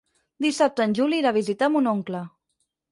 Dissabte en Juli irà a visitar mon oncle.